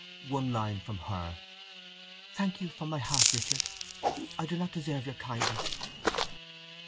One line from her: Thank you from my heart, Richard. I do not deserve your kindness.